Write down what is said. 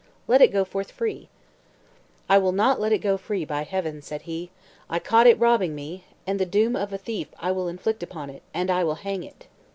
Let it go forth free." "I will not let it go free, by Heaven," said he; "I caught it robbing me, and the doom of a thief will I inflict upon it, and I will hang it."